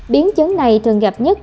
biến chứng này thường gặp nhất